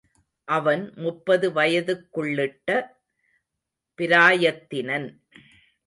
அவன் முப்பது வயதுக்குள்ளிட்ட பிராயத்தினன்.